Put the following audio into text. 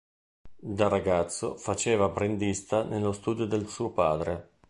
Da ragazzo faceva apprendista nello studio del suo padre.